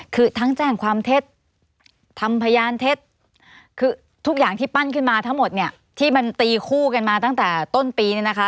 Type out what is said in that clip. คือทั้งแจ้งความเท็จทำพยานเท็จคือทุกอย่างที่ปั้นขึ้นมาทั้งหมดเนี่ยที่มันตีคู่กันมาตั้งแต่ต้นปีเนี่ยนะคะ